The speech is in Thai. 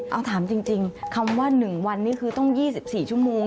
เอาถามจริงคำว่า๑วันนี้คือต้อง๒๔ชั่วโมง